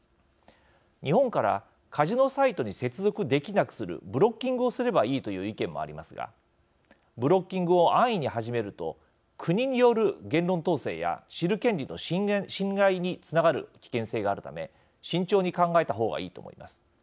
日本からカジノサイトに接続できなくするブロッキングをすればいいという意見もありますがブロッキングを安易に始めると国による言論統制や知る権利の侵害につながる危険性があるため慎重に考えたほうがいいと思います。